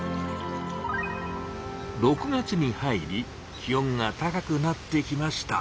６月に入り気温が高くなってきました。